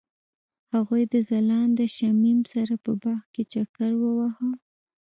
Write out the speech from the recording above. هغوی د ځلانده شمیم سره په باغ کې چکر وواهه.